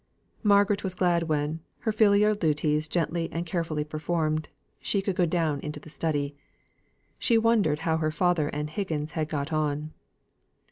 Margaret was glad when, her filial duties gently and carefully performed, she could go down into the study. She wondered how her father and Higgins had got on.